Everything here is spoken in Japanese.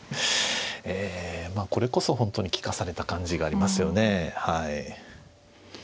ええまあこれこそ本当に利かされた感じがありますよねはい。